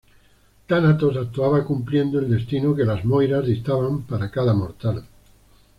Tánatos actuaba cumpliendo el destino que las Moiras dictaban para cada mortal.